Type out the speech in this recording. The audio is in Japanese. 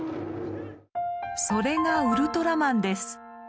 それが「ウルトラマン」です！